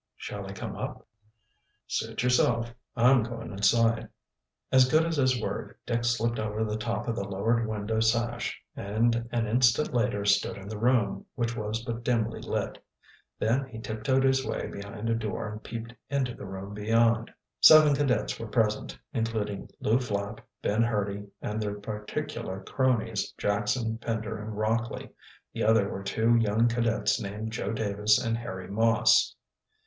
"Shall I come up?" "Suit yourself. I'm going inside." As good as his word, Dick slipped over the top of the lowered window sash, and an instant later stood in the room, which was but dimly lit. Then he tiptoed his way behind a door and peeped into the room beyond. Seven cadets were present, including Lew Flapp, Ben Hurdy, and their particular cronies Jackson, Pender, and Rockley. The others were two young cadets named Joe Davis and Harry Moss.